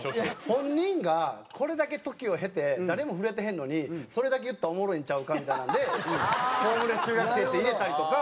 本人がこれだけ時を経て誰も触れてへんのにそれだけ言ったらおもろいんちゃうかみたいなので「ホームレス中学生！」って入れたりとか。